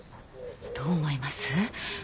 どう思います？